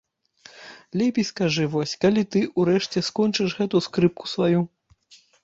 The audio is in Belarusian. Лепей скажы вось, калі ты, урэшце, скончыш гэту скрыпку сваю?